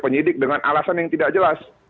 penyidik dengan alasan yang tidak jelas